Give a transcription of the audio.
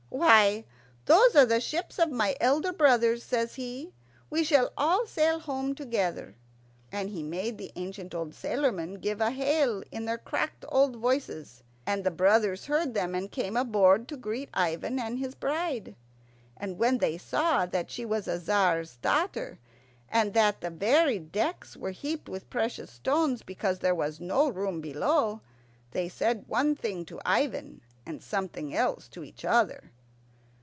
"Why, those are the ships of my elder brothers," said he. "We shall all sail home together." And he made the ancient old sailormen give a hail in their cracked old voices. And the brothers heard them, and came on board to greet Ivan and his bride. And when they saw that she was a Tzar's daughter, and that the very decks were heaped with precious stones, because there was no room below, they said one thing to Ivan and something else to each other.